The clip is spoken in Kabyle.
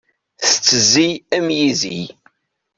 Tettezzi am yizi.